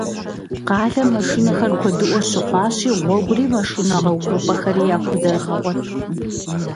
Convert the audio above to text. Къалэм машинэхэр куэдыӏуэ щыхъуащи, гъуэгури машинэ гъэувыпӏэхэри яхузэрыгъэгъуэткъым.